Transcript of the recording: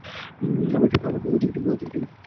আমার চেয়ে অধিক জ্ঞানী কি পৃথিবীতে কেউ আছেন?